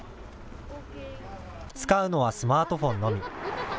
使うのはスマートフォンのみ。